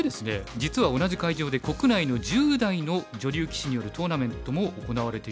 実は同じ会場で国内の１０代の女流棋士によるトーナメントも行われていたんですね。